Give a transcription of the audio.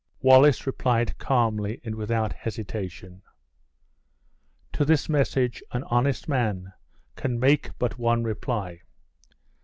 Wallace replied calmly, and without hesitation: "To this message an honest man can make but one reply.